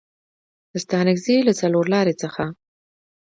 د ستانکزي له څلورلارې څخه